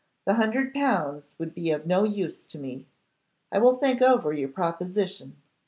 The hundred pounds would be of no use to me. I will think over your proposition.